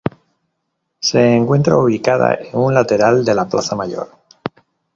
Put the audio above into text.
Se encuentra ubicada en un lateral de la plaza Mayor.